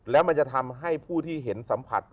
แล้วมันจะทำให้ผู้ที่เห็นสัมผัส